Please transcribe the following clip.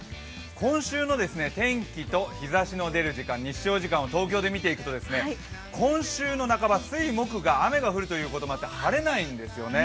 今週の天気と日ざしの出る時間、日照時間を東京で見ていくと、今週の半ば、水・木が雨が降るということもあって、晴れないんですね。